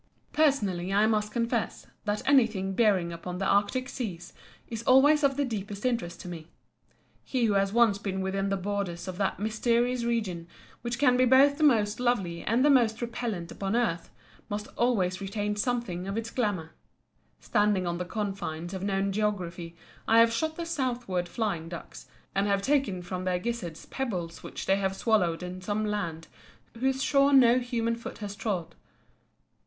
Personally I must confess that anything bearing upon the Arctic Seas is always of the deepest interest to me. He who has once been within the borders of that mysterious region, which can be both the most lovely and the most repellent upon earth, must always retain something of its glamour. Standing on the confines of known geography I have shot the southward flying ducks, and have taken from their gizzards pebbles which they have swallowed in some land whose shores no human foot has trod.